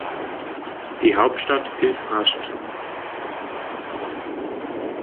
Die Hauptstadt ist Rascht.